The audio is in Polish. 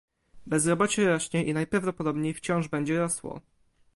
Bezrobocie rośnie i najprawdopodobniej wciąż będzie rosło